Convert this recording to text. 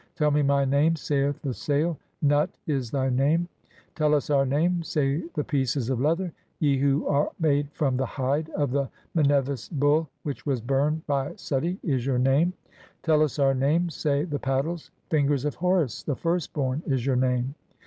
"Tell me my name," saith the Sail; (18) "Nut" is thy name. "Tell us our name," say the Pieces of leather ; "Ye who are "made from the hide (19) of the Mnevis Bull, which was burned "by Suti," is your name. "Tell us our name," (20) say the Paddles ; "Fingers of Horus "the first born" is your name.